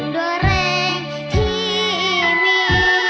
ด้วยแรงที่มี